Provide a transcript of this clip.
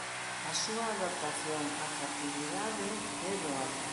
A súa adaptación á catividade é doada.